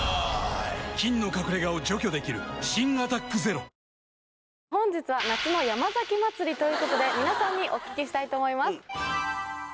菌の隠れ家を除去できる新「アタックＺＥＲＯ」ということで皆さんにお聞きしたいと思います。